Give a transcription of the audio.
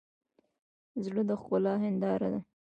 زړه د ښکلا هنداره ده.